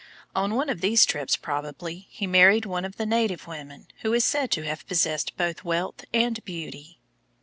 On one of these trips, probably, he married one of the native women, who is said to have possessed both wealth and beauty.